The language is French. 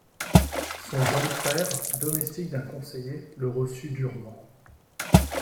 Son jeune frère, domestique d'un conseiller, le reçut durement.